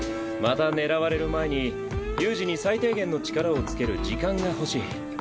また狙われる前に悠仁に最低限の力をつける時間が欲しい。